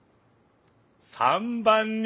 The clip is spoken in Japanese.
３番に！